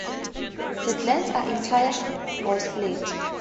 The glands are entire or split.